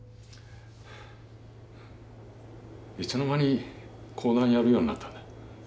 いつの間に講談やるようになったんだ？